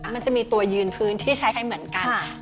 มันจะมีตัวยืนพื้นที่ใช้ให้เหมือนกัน